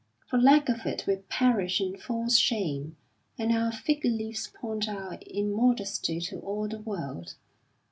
For lack of it we perish in false shame, and our fig leaves point our immodesty to all the world.